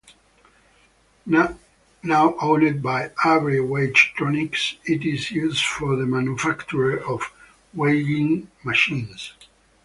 Now owned by Avery Weigh-Tronix, it is used for the manufacture of weighing machines.